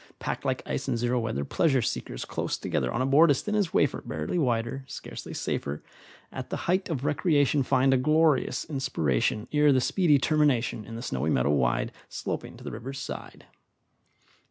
Packed like ice in zero weather, Pleasure seekers close together, On a board as thin as wafer, Barely wider, scarcely safer, At the height of recreation Find a glorious inspiration, Ere the speedy termination In the snowy meadow wide, Sloping to the river's side.